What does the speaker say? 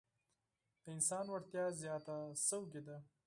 د انسان وړتیا زیاته شوې ده.